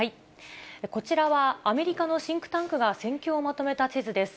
こちらは、アメリカのシンクタンクが戦況をまとめた地図です。